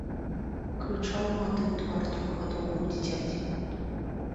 Крычаў маты ў твар трохгадоваму дзіцяці.